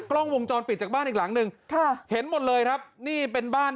กล้องวงจรปิดจากบ้านอีกหลังนึงค่ะเห็นหมดเลยครับนี่เป็นบ้าน